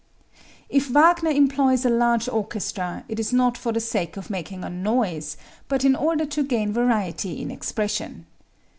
If Wagner employs a large orchestra, it is not for the sake of making a noise, but in order to gain variety in expression.